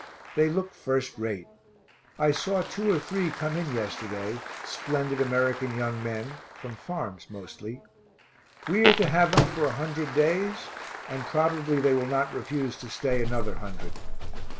They look first rate. I saw two or three come in yesterday, splendid American young men, from farms mostly. We are to have them for a hundred days and probably they will not refuse to stay another hundred.